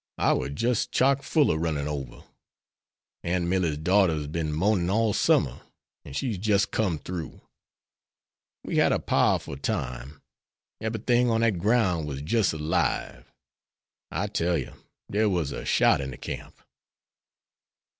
I war jis' chock full an' runnin' ober. Aunt Milly's daughter's bin monin all summer, an' she's jis' come throo. We had a powerful time. Eberythin' on dat groun' was jis' alive. I tell yer, dere was a shout in de camp."